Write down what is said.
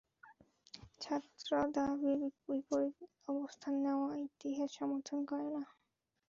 ছাত্রদাবির বিপরীতে অবস্থান নেওয়া ইতিহাস সমর্থন করে না।